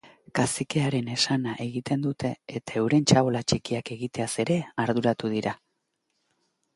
Kazikearen esana egiten dute eta euren txabola txikiak egiteaz ere arduratu dira.